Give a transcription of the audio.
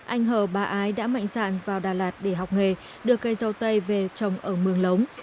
anh hờ ba ái đã mạnh dạng vào đà lạt để học nghề đưa cây dâu tây về trồng ở mường lống